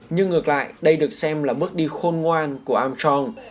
nhưng ngược lại đây được xem là bước đi khôn ngoan của langam chong